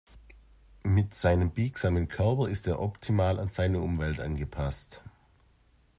Mit seinem biegsamen Körper ist er optimal an seine Umwelt angepasst.